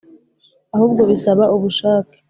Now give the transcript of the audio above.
ahubwo bisaba ubushake,